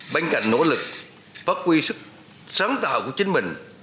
bên cạnh nỗ lực phát huy sức sáng tạo của chính mình